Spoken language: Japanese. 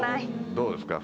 どうですか？